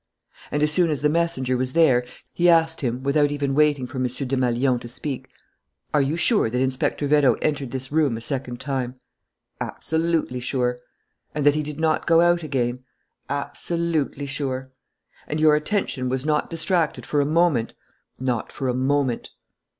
And, as soon as the messenger was there, he asked him, without even waiting for M. Desmalions to speak: "Are you sure that Inspector Vérot entered this room a second time?" "Absolutely sure." "And that he did not go out again?" "Absolutely sure." "And your attention was not distracted for a moment?" "Not for a moment."